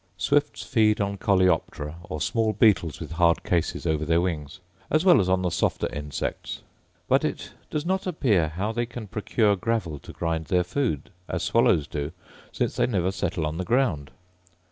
Swifts feed on coleoptera, or small beetles with hard cases over their wings, as well as on the softer insects; but it does not appear how they can procure gravel to grind their food, as swallows do, since they never settle on the ground.